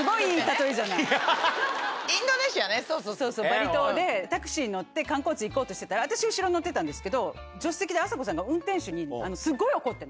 バリ島でタクシーに乗って観光地行こうとしてたら私後ろに乗ってたんですけど助手席で。